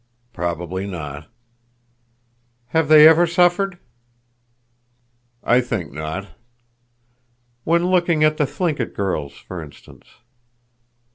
"Probably not." "Have they ever suffered?" "I think not." "When looking at the Thlinkit girls, for instance?"